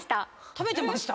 ⁉食べてました